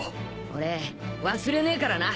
俺忘れねえからな。